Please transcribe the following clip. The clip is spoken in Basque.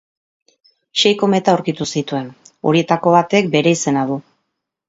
Sei kometa aurkitu zituen; horietako batek bere izena du.